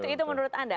itu menurut anda